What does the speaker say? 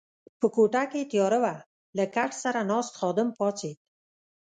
په کوټه کې تیاره وه، له کټ سره ناست خادم پاڅېد.